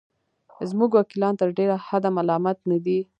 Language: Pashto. زموږ وکیلان تر ډېره حده ملامت نه دي.